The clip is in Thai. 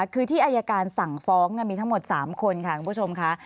คือที่อายการสั่งฟ้องมีทั้งหมด๓คนค่ะคุณผู้ชมค่ะ